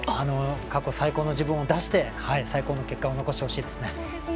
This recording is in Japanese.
過去最高の自分を出して最高の結果を残してほしいですね。